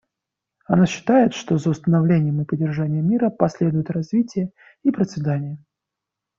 Она считает, что за установлением и поддержанием мира последуют развитие и процветание.